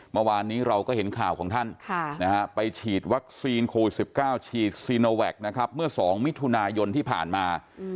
เมื่อวานนี้เราก็เห็นข่าวของท่านไปฉีดวัคซีนโควิด๑๙ฉีดซีโนแวคนะครับเมื่อ๒มิถุนายนที่ผ่านมา